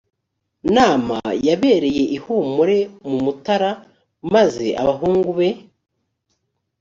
nama yabereye i humure mu mutara maze abahungu be